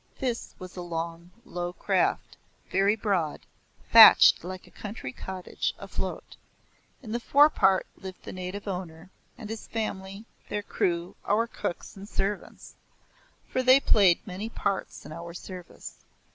This was a long low craft, very broad, thatched like a country cottage afloat. In the forepart lived the native owner, and his family, their crew, our cooks and servants; for they played many parts in our service.